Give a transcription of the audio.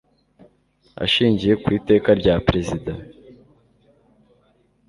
ashingiye ku iteka rya perezida